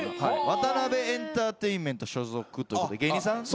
ワタナベエンターテインメント所属ということで芸人さん。